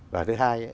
và thứ hai